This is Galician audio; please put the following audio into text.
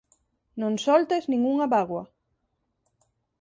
Non soltes nin unha bágoa.